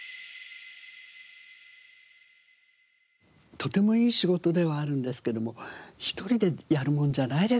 とてもいい仕事ではあるんですけども一人でやるもんじゃないですからね。